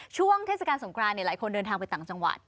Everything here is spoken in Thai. ช่วงเทศกาลสงครานหลายคนเดินทางไปต่างจังหวัด